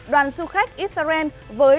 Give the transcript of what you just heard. đoàn xu khách israel với